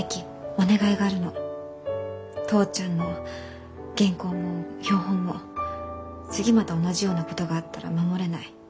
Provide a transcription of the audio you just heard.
お父ちゃんの原稿も標本も次また同じようなことがあったら守れない。